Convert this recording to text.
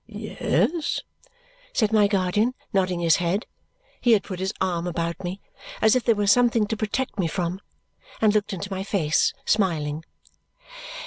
"Yes," said my guardian, nodding his head. He had put his arm about me as if there were something to protect me from and looked in my face, smiling.